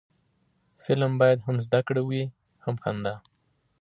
فلم باید هم زده کړه وي، هم خندا